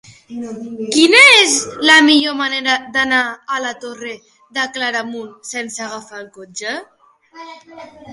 Quina és la millor manera d'anar a la Torre de Claramunt sense agafar el cotxe?